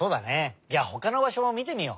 じゃあほかのばしょもみてみよう。